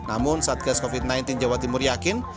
namun saat gas covid sembilan belas jawa timur yakin